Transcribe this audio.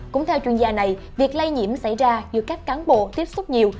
cũng theo chuyên gia này việc lây nhiễm xảy ra giữa các cán bộ tiếp xúc nhiều